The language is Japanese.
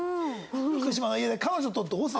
福島の家で彼女と同棲。